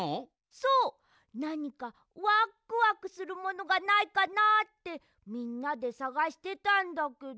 そうなにかワックワクするものがないかなってみんなでさがしてたんだけど。